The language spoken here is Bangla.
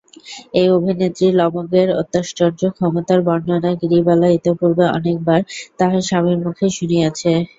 এই অভিনেত্রী লবঙ্গের অত্যাশ্চর্য ক্ষমতার বর্ণনা গিরিবালা ইতিপূর্বে অনেকবার তাহার স্বামীর মুখেই শুনিয়াছে।